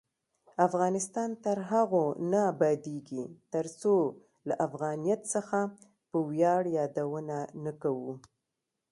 افغانستان تر هغو نه ابادیږي، ترڅو له افغانیت څخه په ویاړ یادونه نه کوو.